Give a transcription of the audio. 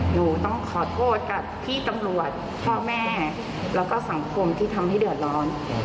หนูต้องขอโทษกับพี่ตำรวจพ่อแม่แล้วก็สังคมที่ทำให้เดือดร้อน